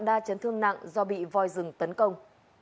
đa chấn thương nặng do bị voi rừng tấn công